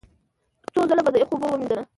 څو ځله په یخو اوبو ومینځله،